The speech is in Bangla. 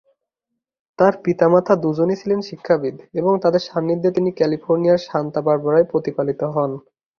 তাঁর পিতা-মাতা দু’জনই ছিলেন শিক্ষাবিদ এবং তাঁদের সান্নিধ্যে তিনি ক্যালিফোর্নিয়ার সান্তা বারবারায় প্রতিপালিত হন।